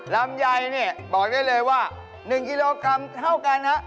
ลำไยนี่บอกได้เลยว่า๑กิโลกรัมเท่ากันฮะ